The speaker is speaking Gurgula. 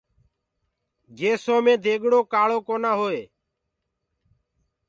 گيسو مي ديگڙو ڪآݪو ڪونآ هوئي۔